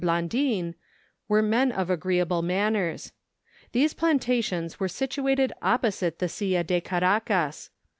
Blandin, were men of agree¬ able manners. These plantations were situated opposite the Silla de Caracas.